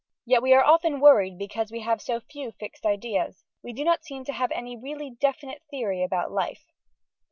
Yet we are often worried because we have so few Fixed Ideas. We do not seem to have any really definite Theory about Life.